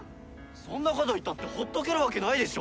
そんなこと言ったってほっとけるわけないでしょ！